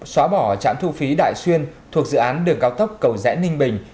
xóa bỏ trạm thu phí đại xuyên thuộc dự án đường cao tốc cầu rẽ ninh bình